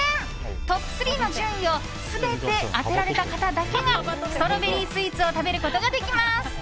トップ３の順位を全て当てられた方だけがストロベリースイーツを食べることができます。